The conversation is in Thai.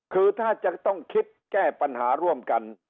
คือถ้าจะต้องคิดแก้ปัญหาร่วมกัน